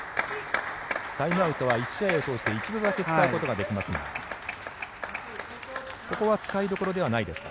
タイムアウトは１試合を通して一度だけ使うことができますがここは使いどころではないですか？